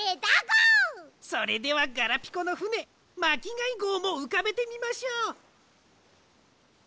それではガラピコのふねまきがいごうもうかべてみましょう。